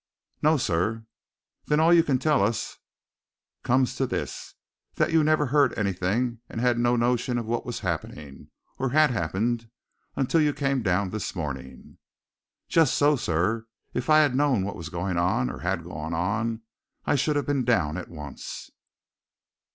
"No, sir." "Then all you can tell us comes to this that you never heard anything, and had no notion of what was happening, or had happened, until you came down in the morning?" "Just so, sir. If I'd known what was going on, or had gone on, I should have been down at once."